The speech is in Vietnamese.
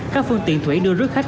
các phương tiện thủy đưa rước khách